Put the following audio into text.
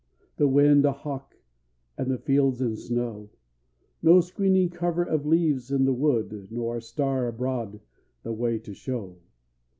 The wind a hawk, and the fields in snow; No screening cover of leaves in the wood, Nor a star abroad the way to show.